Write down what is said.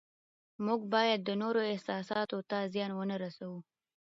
موږ باید د نورو احساساتو ته زیان ونه رسوو